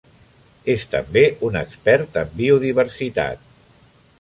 És també un expert en biodiversitat.